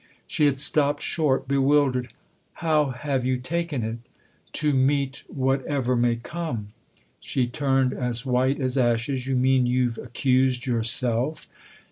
'* She had stopped short, bewildered. " How have you taken it ?" 362 THE OTHER HOUSE " To meet whatever may come." She turned as white as ashes. " You mean you've accused yourself?